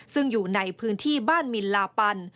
ซึ่งอยู่ในพื้นที่บ้านมินลาปัน